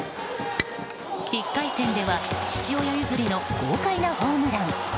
１回戦では父親譲りの豪快なホームラン。